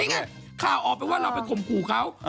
นี่ไงค่ะค่าออกไปว่าเราไปด้วยคมกรูเขา